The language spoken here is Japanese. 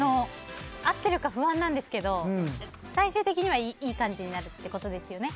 あってるか不安なんですけど最終的にはいい感じになるってことですよね。